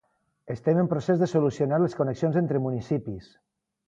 Estem en procés de solucionar les connexions entre municipis.